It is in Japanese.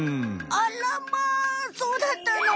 あらまそうだったの？